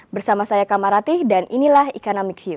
bersama saya kamarati dan inilah economic hiu